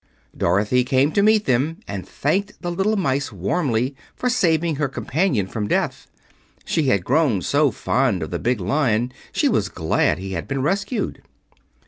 Dorothy came to meet them and thanked the little mice warmly for saving her companion from death. She had grown so fond of the big Lion she was glad he had been rescued.